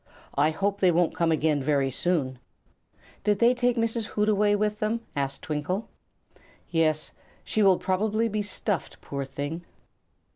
I hope they won't come again very soon." "Did they take Mrs. Hootaway with them?" asked Twinkle. "Yes; she will probably be stuffed, poor thing!"